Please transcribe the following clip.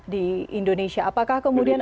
di indonesia apakah kemudian